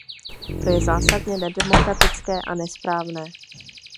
To je zásadně nedemokratické a nesprávné.